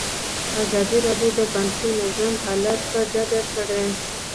ازادي راډیو د بانکي نظام حالت په ډاګه کړی.